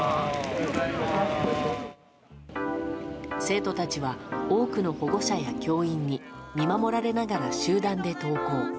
生徒たちは多くの保護者や教員に見守られながら集団で登校。